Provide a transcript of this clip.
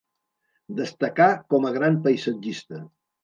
Destacà com a gran paisatgista.